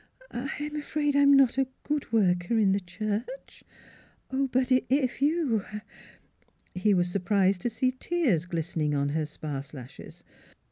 ..." I I'm afraid I'm not a good worker in the church, but if you " He was surprised to see tears glistening on her sparse lashes.